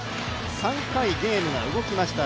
３回、ゲームが動きました。